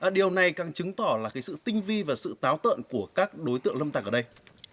điều này càng chứng tỏ là sự tinh vi và sự táo tợn của các đối tượng lâm tặc ở đây